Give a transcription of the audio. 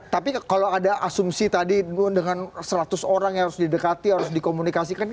tapi kalau ada asumsi tadi dengan seratus orang yang harus didekati harus dikomunikasikan